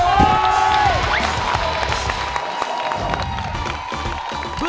โอ้โฮ